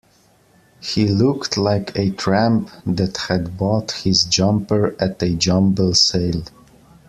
He looked like a tramp that had bought his jumper at a jumble sale